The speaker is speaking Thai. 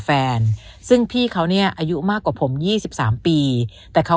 แฟนซึ่งพี่เขาเนี่ยอายุมากกว่าผม๒๓ปีแต่เขา